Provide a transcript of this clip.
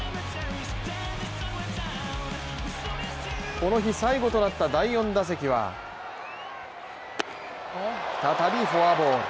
この日、最後となった第４打席は再びフォアボール。